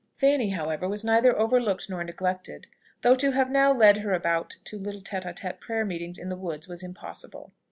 Fanny, however, was neither overlooked nor neglected; though to have now led her about to little tête à tête prayer meetings in the woods was impossible.